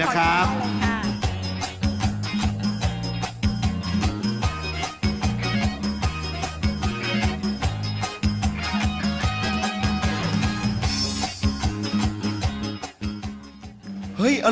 ถึงเวลาแล้วกูมาฟ